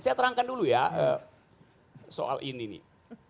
saya terangkan dulu ya soal ini nih